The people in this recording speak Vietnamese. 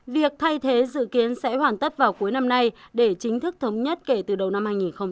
việc thay thế dự kiến sẽ hoàn tất vào cuối năm nay để chính thức thống nhất kể từ đầu năm hai nghìn hai mươi